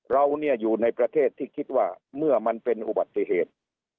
เราเนี่ยอยู่ในประเทศที่คิดว่าเมื่อมันเป็นอุบัติเหตุ